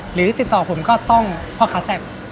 หรือติดต่อผมก็ต้องพ่อขาแซ่บ